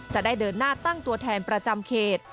จะได้เดินหน้าตั้งตัวแทนประจำเขต